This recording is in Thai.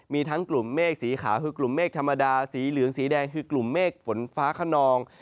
มีทั้งกลุ่มเมฆสีขาวคือกลุ่มเมฆธรรมดาสีเหลืองสีแดงคือกลุ่มเมฆฝนฟ้าขนอง